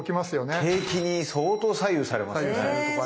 景気に相当左右されますね。